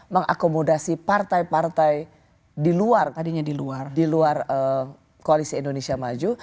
mengakomodasi partai partai di luar koalisi indonesia maju